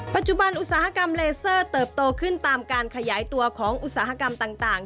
อุตสาหกรรมเลเซอร์เติบโตขึ้นตามการขยายตัวของอุตสาหกรรมต่าง